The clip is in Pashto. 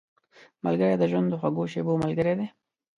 ملګری د ژوند د خوږو شېبو ملګری دی